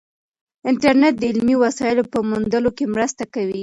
انټرنیټ د علمي وسایلو په موندلو کې مرسته کوي.